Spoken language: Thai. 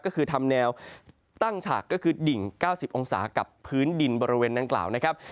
ก็คือทำแนวตั้งฉากก็คือดิ่ง๙๐องศากับพื้นดินบริเวณดังกล่าวนะครับ